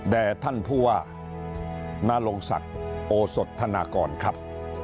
ท่านผู้ว่านรงศักดิ์โอสดธนากรครับ